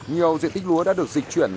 nhiều diện tích lúa đã được dịch chuyển